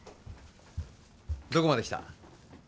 どこまできた？